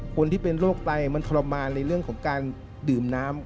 คนที่เป็นโรคไตมันทรมานในเรื่องของการดื่มน้ำ